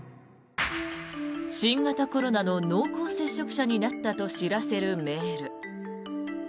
新型コロナの濃厚接触者になったと知らせるメール。